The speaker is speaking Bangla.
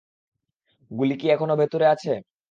গুলি কি এখনও ভিতরে আছে?